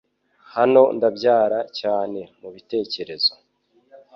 Hano ndabyara cyane mubitekerezo,